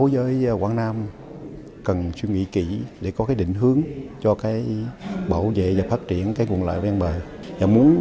đối với quảng nam cần suy nghĩ kỹ để có định hướng cho bảo vệ và phát triển nguồn lợi bên bờ